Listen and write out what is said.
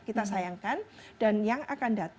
kita sayangkan dan yang akan datang